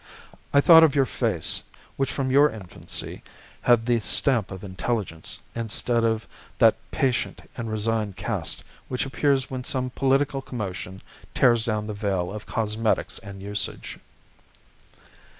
I thought of your face, which from your infancy had the stamp of intelligence instead of that patient and resigned cast which appears when some political commotion tears down the veil of cosmetics and usage.